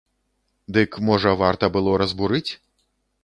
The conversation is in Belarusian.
Дык можа варта было разбурыць?